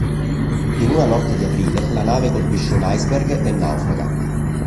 In una notte di aprile la nave colpisce un iceberg e naufraga.